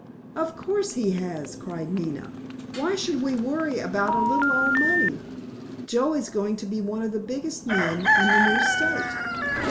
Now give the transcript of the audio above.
"Of course he has," cried Nina; "why should we worry about a little old money! Joe is going to be one of the biggest men in the new State."